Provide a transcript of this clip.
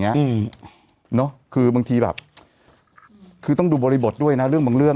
อืมเนอะคือบางทีแบบคือต้องดูบริบทด้วยนะเรื่องบางเรื่อง